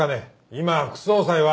今副総裁は。